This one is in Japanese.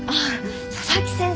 佐々木先生